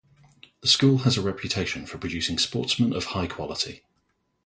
The school has a reputation for producing sportsmen of high quality.